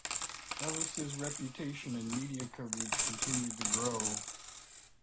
Ellis' reputation and media coverage continued to grow.